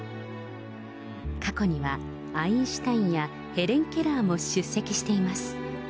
過去にはアインシュタインやヘレン・ケラーも出席しています。